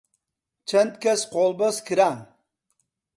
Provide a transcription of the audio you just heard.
چەند کەس قۆڵبەست کران